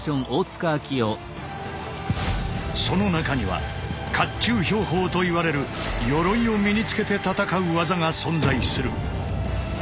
その中には甲冑兵法といわれる鎧を身につけて戦う技が存在する。